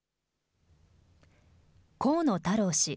河野太郎氏。